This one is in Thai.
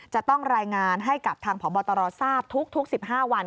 จะต้องรายงานให้กับทางพบตรทราบทุก๑๕วัน